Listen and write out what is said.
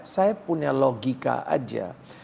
saya punya logika aja